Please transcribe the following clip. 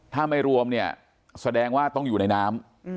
ถ้าไม่รวมเนี่ยแสดงว่าต้องอยู่ในน้ำ